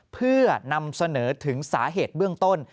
เพื่อนำเสนอถึงสาเหตุเบื้องต้น